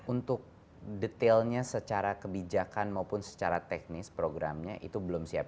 untuk detailnya secara kebijakan maupun secara teknis programnya itu belum siap